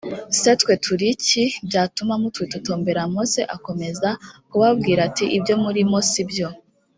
se twe turi iki byatuma mutwitotombera mose akomeza kubabwira ati ibyo muri mo si byo